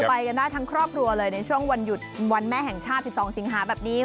ไปกันได้ทั้งครอบครัวเลยในช่วงวันหยุดวันแม่แห่งชาติ๑๒สิงหาแบบนี้